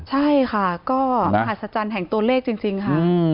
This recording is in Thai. ใช่ค่ะก็มหัศจรรย์แห่งตัวเลขจริงค่ะ